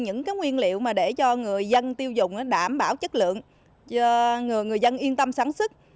các nhà đầu tư sẽ có nguyên liệu mà để cho người dân tiêu dùng đảm bảo chất lượng cho người dân yên tâm sáng sức